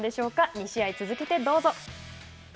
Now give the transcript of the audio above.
２試合続けてどうぞ。